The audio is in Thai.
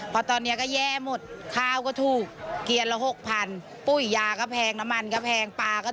มีเกษตรากรที่ถือบัตรสวติการแห่งรัฐทั้งประเทศ